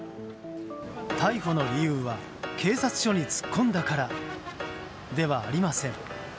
逮捕の理由は、警察署に突っ込んだからではありません。